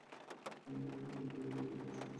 এটা তোমার জীবনের সেরা সারপ্রাইজ হবে।